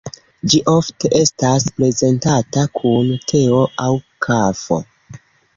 Ĝi ofte estas prezentata kun teo aŭ kafo.